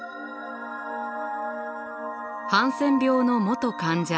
ハンセン病の元患者